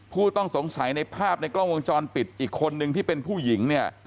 ผู้ต้องสงสัยในภาพในกล้องวงจรปิดอีกคนนึงที่เป็นผู้หญิงเนี่ย